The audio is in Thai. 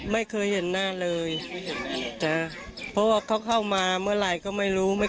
ไม่เคยเห็นหน้าเลยนะเพราะว่าเขาเข้ามาเมื่อไหร่ก็ไม่รู้